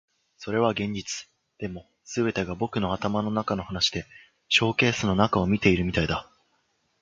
それは現実。でも、全てが僕の頭の中の話でショーケースの中を見ているみたいだ。